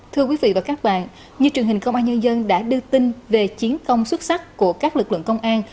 thưa quý vị và các bạn như truyền hình công an nhân dân đã đưa tin về chiến công xuất sắc của các lực lượng công an